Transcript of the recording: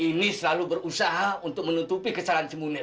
ini selalu berusaha untuk menutupi kesalahan si munir